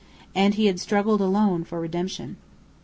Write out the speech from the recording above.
And he had struggled alone for redemption.